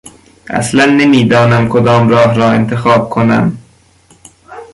اصلا نمیدانم کدام راه را انتخاب کنم.